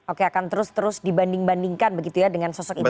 oke akan terus terus dibanding bandingkan begitu ya dengan sosok itu